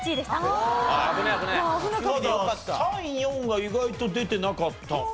３４が意外と出てなかった。